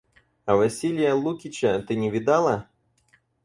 А Василия Лукича ты не видала?